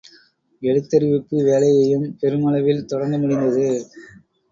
எழுத்தறிவிப்பு வேலையையும் பெரும் அளவில் தொடங்க முடிந்தது.